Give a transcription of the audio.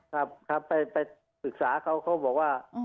ครับไปฝึกษาเขาบอกว่า